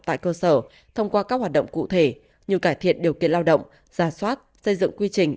tại cơ sở thông qua các hoạt động cụ thể như cải thiện điều kiện lao động giả soát xây dựng quy trình